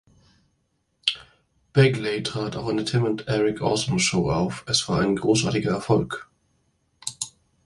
Begley trat auch in der Tim and Eric Awesome Show auf. Es war ein großartiger Erfolg!